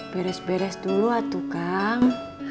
beres beres dulu atuh kang